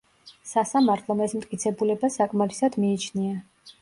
სასამართლომ ეს მტკიცებულება საკმარისად მიიჩნია.